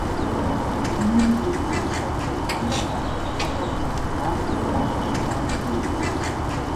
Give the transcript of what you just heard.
იმერული ბალიშა ცრუფარიანა საქართველოს ვაზის საშიში მავნებელია.